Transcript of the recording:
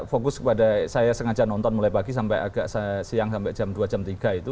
fokus kepada saya sengaja nonton mulai pagi sampai agak siang sampai jam dua jam tiga itu